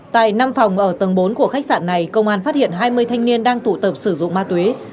tại năm phòng ở tầng bốn của khách sạn này công an phát hiện hai mươi thanh niên đang tụ tập sử dụng ma túy